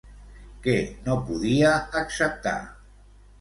Què no podia acceptar?